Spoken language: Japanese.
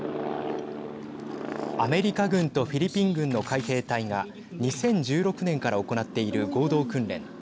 アメリカ軍とフィリピン軍の海兵隊が２０１６年から行っている合同訓練。